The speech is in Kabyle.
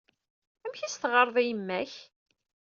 Amek ay as-teɣɣared i yemma-k?